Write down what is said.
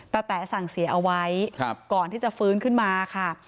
แตะสั่งเสียเอาไว้ก่อนที่จะฟื้นขึ้นมาค่ะ